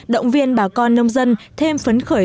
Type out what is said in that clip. động viên bà con nông dân thêm phấn khởi